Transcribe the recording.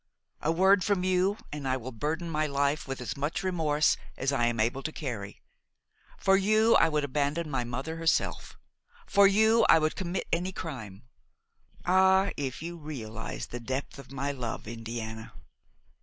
A word from you and I will burden my life with as much remorse as I am able to carry; for you I would abandon my mother herself; for you I would commit any crime. Ah! if you realized the depth of my love, Indiana!"